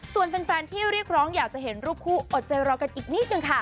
ส่วนแฟนที่เรียกร้องอยากจะเห็นรูปคู่อดใจรอกันอีกนิดนึงค่ะ